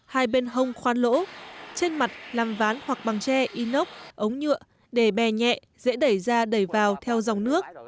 hai bên hông khoan lỗ trên mặt làm ván hoặc bằng tre inox ống nhựa để bè nhẹ dễ đẩy ra đẩy vào theo dòng nước